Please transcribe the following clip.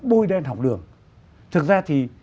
bôi đen học đường thực ra thì